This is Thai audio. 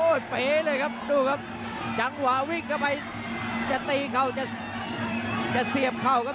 เป๋เลยครับดูครับจังหวะวิ่งเข้าไปจะตีเข่าจะจะเสียบเข่าครับ